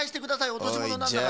おとしものなんだから。